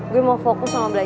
gue mau fokus sama belajar